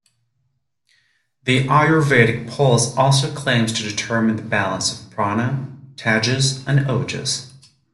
The ayurvedic pulse also claims to determine the balance of prana, tejas, and ojas.